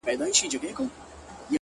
په مړاوو گوتو كي قوت ډېر سي;